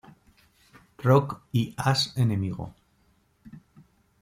Rock y As Enemigo.